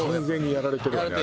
やられてるよね。